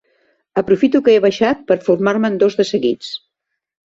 Aprofito que he baixat per fumar-me'n dos de seguits.